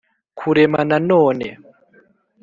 kurema na none